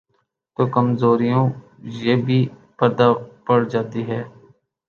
تو کمزوریوں پہ بھی پردہ پڑ جاتاہے۔